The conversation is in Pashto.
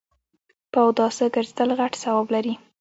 په اوداسه ګرځیدل غټ ثواب لري